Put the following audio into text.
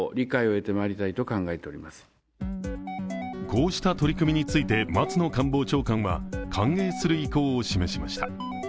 こうした取り組みについて松野官房長官は歓迎する意向を示しました。